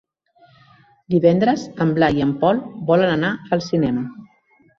Divendres en Blai i en Pol volen anar al cinema.